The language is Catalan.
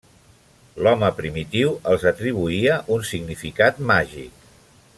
L'home primitiu els atribuïa un significat màgic.